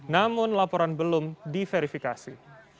namun laporan belum diverifikasi